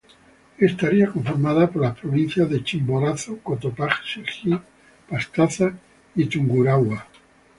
Estaría conformada por las provincias de Chimborazo, Cotopaxi, Pastaza y Tungurahua.